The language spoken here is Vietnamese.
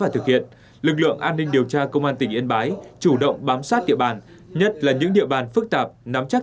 thực hiện tội mua bán trái phép chất ma túy và tiêu thụ tài sản